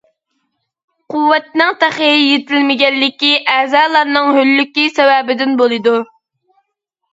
قۇۋۋەتنىڭ تېخى يېتىلمىگەنلىكى ئەزالارنىڭ ھۆللۈكى سەۋەبىدىن بولىدۇ.